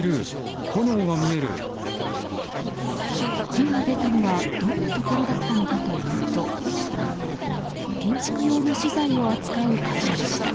火が出たのはどんなところだったのかというと建築用の資材を扱う会社でした。